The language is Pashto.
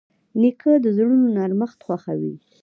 نیکه د زړونو نرمښت خوښوي.